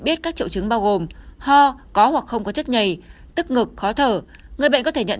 biết các triệu chứng bao gồm ho có hoặc không có chất nhầy tức ngực khó thở người bệnh có thể nhận